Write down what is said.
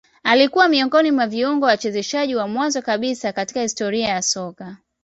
Alikua miongoni mwa viungo wachezeshaji wa mwanzo kabisa katika historia ya soka